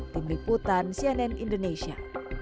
tim liputan cnn indonesia